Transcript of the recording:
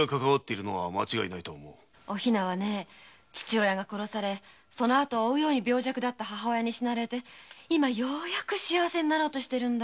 お比奈は父親が殺されその後を追うように病弱な母親に死なれ今ようやく幸せになろうとしてるんだよ。